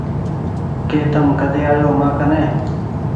ڪه تم ڪۮي آيو مآ ڪني